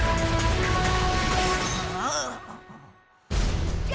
kau sudah gesagt